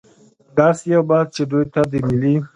داسې یو بحث چې دوی ته د ملي